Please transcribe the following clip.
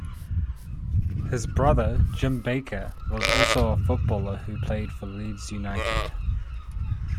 His brother Jim Baker was also a footballer who played for Leeds United.